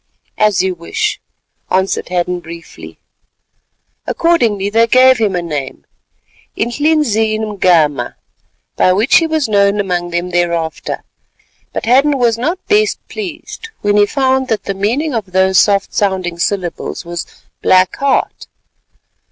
"As you wish," answered Hadden briefly. Accordingly they gave him a name, Inhlizin mgama, by which he was known among them thereafter, but Hadden was not best pleased when he found that the meaning of those soft sounding syllables was "Black Heart."